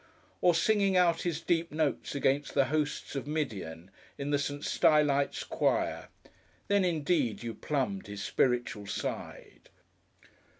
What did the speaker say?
Or singing out his deep notes against the Hosts of Midian, in the St. Stylites choir; then indeed you plumbed his spiritual side.